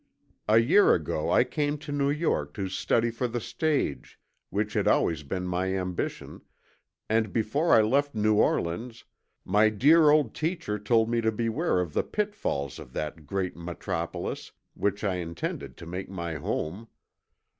A year ago I came to New York to study for the stage, which had always been my ambition, and before I left New Orleans my dear old teacher told me to beware of the pitfalls of that great metropolis, which I intended to make my home.